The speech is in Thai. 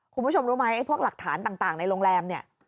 คุณผู้ชมรู้ไหมไอ้พวกหลักฐานต่างในโรงแรมเนี่ย